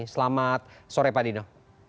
selamat sore pak dino